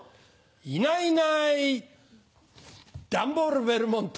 いないいないダンボール・ベルモンド。